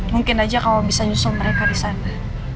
mungkin aja kamu bisa nyusul mereka disana